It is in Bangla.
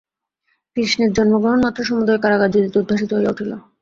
কৃষ্ণের জন্মগ্রহণমাত্র সমুদয় কারাগার জ্যোতিতে উদ্ভাসিত হইয়া উঠিল।